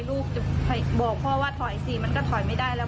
ลูกจะบอกพ่อว่าถอยสิมันก็ถอยไม่ได้แล้ว